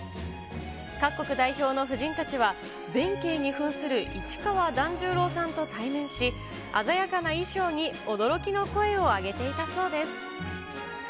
各国代表の夫人たちは弁慶にふんする市川團十郎さんと対面し、鮮やかな衣装に驚きの声を上げていたそうです。